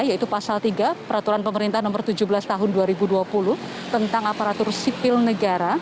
yaitu pasal tiga peraturan pemerintah nomor tujuh belas tahun dua ribu dua puluh tentang aparatur sipil negara